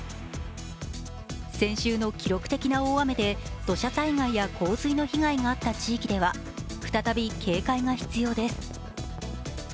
先週の記録的な大雨で、土砂災害や洪水の被害があった地域では、再び警戒が必要です。